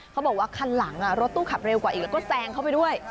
เขาบอกว่าคันหลังรถตู้ขับเร็วกว่าอีกแล้วก็แซงเข้าไปด้วย